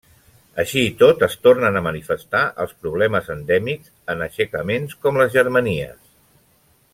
Així i tot es tornen a manifestar els problemes endèmics en aixecaments com les Germanies.